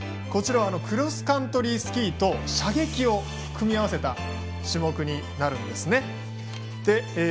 こちらクロスカントリースキーと射撃を組み合わせた種目です。